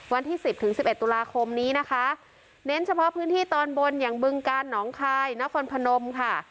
วันที่สิบถึงสิบเอ็ดตุลาคมนี้นะคะเน้นเฉพาะพื้นที่ตอนบนอย่างบึงกาลหนองคายนครพนมค่ะ